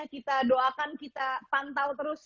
kita doakan kita pantau terus